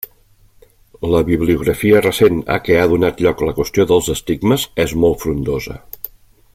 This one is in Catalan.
La bibliografia recent a què ha donat lloc la qüestió dels estigmes és molt frondosa.